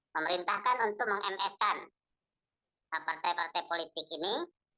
memerintahkan untuk meng ms kan partai partai politik ini